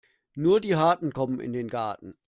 Nur die Harten kommen in den Garten.